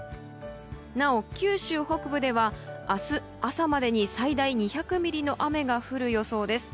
なお、九州北部では明日朝までに最大２００ミリの雨が降る予想です。